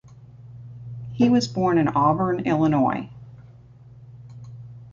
He was born in Auburn, Illinois.